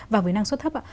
và với năng suất thấp ạ